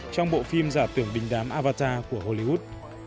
trong bộ phim giả tưởng đình đám avatar của hollywood